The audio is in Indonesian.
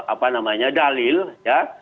apa namanya dalil ya